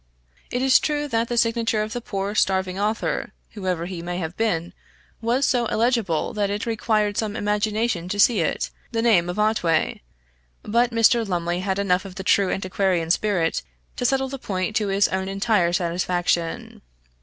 It is true that the signature of the poor starving author, whoever he may have been, was so illegible that it required some imagination to see in it, the name of Otway, but Mr. Lumley had enough of the true antiquarian spirit, to settle the point to his own entire satisfaction.